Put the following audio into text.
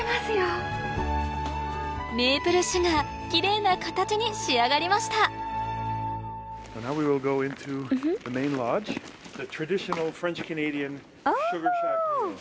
メープルシュガーキレイな形に仕上がりましたお！